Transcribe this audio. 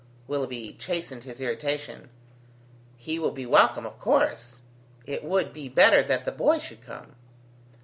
Willoughby chastened his irritation: "He will be welcome, of course. It would be better that the boy should come."